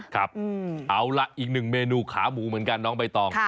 ครับเอาล่ะอีกหนึ่งเมนูขาหมูเหมือนกันน้องใบตอง